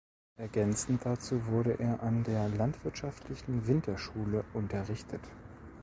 Ergänzend dazu wurde er an der landwirtschaftlichen Winterschule unterrichtet.